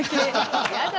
やだ